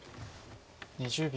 ２０秒。